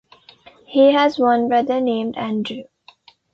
He has one brother named Andrew.